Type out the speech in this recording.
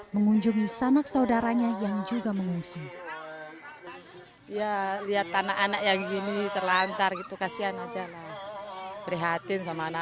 mengunjungi sanak saudaranya yang juga mengungsi